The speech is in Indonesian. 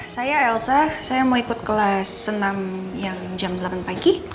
saya elsa saya mau ikut kelas enam yang jam delapan pagi